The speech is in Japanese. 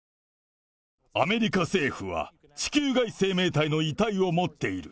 アメリカ政府は、地球外生命体の遺体を持っている。